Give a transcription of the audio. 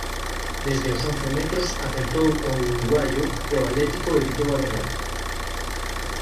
Desde os once metros acertou o uruguaio e o Atlético evitou a derrota.